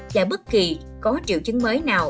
và bất kỳ có triệu chứng mới nào